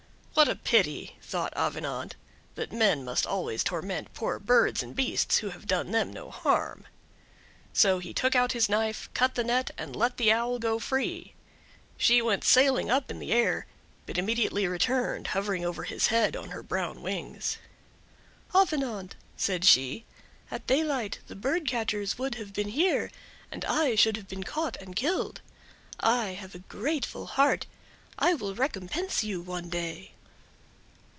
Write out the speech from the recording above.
"What a pity," thought Avenant, "that men must always torment poor birds and beasts who have done them no harm!" So he took out his knife, cut the net, and let the Owl go free. She went sailing up in the air, but immediately returned hovering over his head on her brown wings. "Avenant," said she, "at daylight the bird catchers would have been here, and I should have been caught and killed. I have a grateful heart; I will recompense you one day."